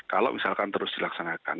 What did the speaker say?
kalau misalkan terus dilaksanakan